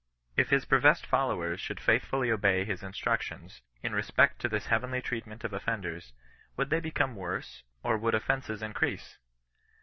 If his professed followers should faithfully obey his instruc tions, in respect to this heavenly treatment of offenders, would they oecome worse, or would offences increase?